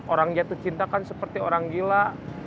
orang jatuh cinta kan seperti orang gila